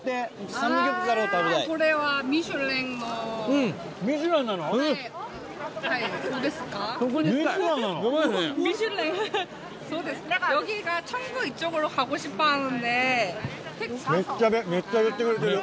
韓国語めっちゃ言ってくれてる。